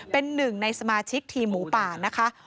เป็นหนึ่งในสมาชิกทีมหมูป่านะคะ